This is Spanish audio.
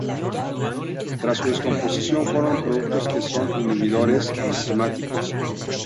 Tras su descomposición forman productos que son inhibidores enzimáticos.